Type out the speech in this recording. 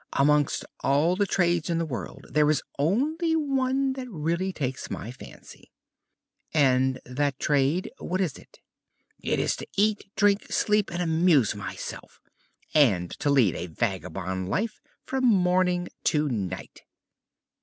"Amongst all the trades in the world there is only one that really takes my fancy." "And that trade what is it?" "It is to eat, drink, sleep and amuse myself, and to lead a vagabond life from morning to night."